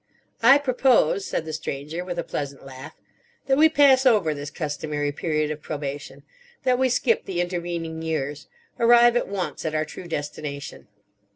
"I propose," said the Stranger, with a pleasant laugh, "that we pass over this customary period of probation—that we skip the intervening years—arrive at once at our true destination."